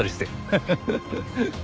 ハハハハ。